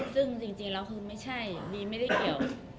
ซึ่งจริงแล้วคือไม่ใช่บีไม่ได้เกี่ยว